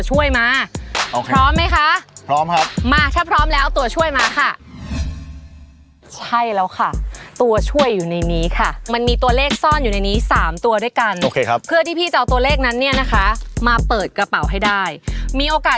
หมายถึงว่าวิ่งในหัวใจดีอ่ะ